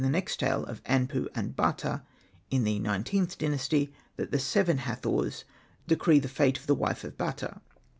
the next tale of Anpu and Bata, in the XlXth Dynasty, that the seven Hathors decree the fate of the wife of Bata.